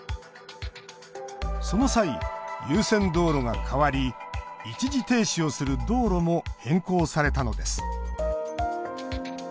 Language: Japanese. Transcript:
その際、優先道路が変わり一時停止をする道路も変更されたのです。